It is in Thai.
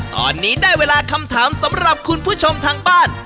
ตอนนี้ได้เวลาคำถามสำหรับคุณผู้ชมทางบ้าน